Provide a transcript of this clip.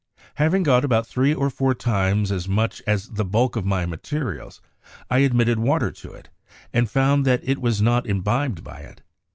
Having got about three or four times as much as the bulk of my materials, I admitted water to it, and found that it was not imbibed by it.